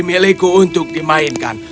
semua yang dimiliki untuk dimainkan